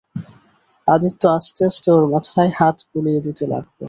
আদিত্য আস্তে আস্তে ওর মাথায় হাত বুলিয়ে দিতে লাগল।